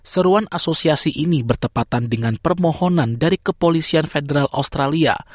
seruan asosiasi ini bertepatan dengan permohonan dari kepolisian federal australia